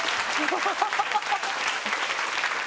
ハハハハ！